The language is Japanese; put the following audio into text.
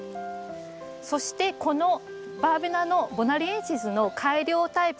そしてこのバーベナのボナリエンシスの改良タイプ